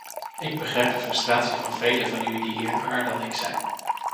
Ik begrijp de frustratie van velen van u die hier langer dan ik zijn.